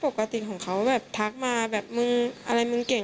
ก็เขาก็ปกติของเขาแบบทักมาแบบอะไรมึงเก่ง